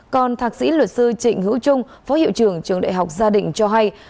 còn thạc sĩ luật sư trịnh hữu trung phó hiệu trưởng trường đại học gia đình cho hay